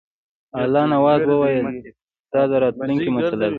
الله نواز وویل دا د راتلونکي مسله ده.